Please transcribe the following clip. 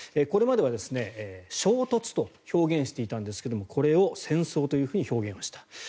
これまでは衝突と表現していたんですがこれを戦争というふうに表現をした。